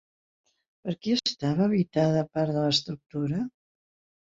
Per qui estava habitada part de l'estructura?